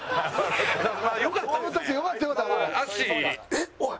えっ？おい！